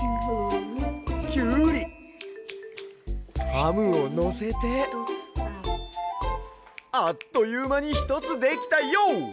ハムをのせてあっというまにひとつできたＹＯ！